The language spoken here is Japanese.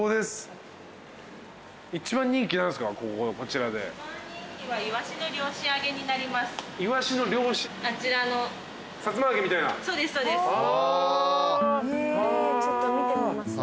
ちょっと見てみます？